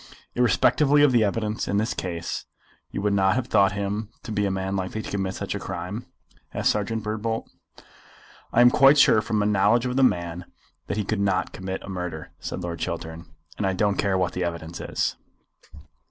"Irrespectively of the evidence in this case you would not have thought him to be a man likely to commit such a crime?" asked Serjeant Birdbolt. "I am quite sure from my knowledge of the man that he could not commit a murder," said Lord Chiltern; "and I don't care what the evidence is."